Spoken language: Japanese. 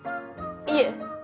いえ。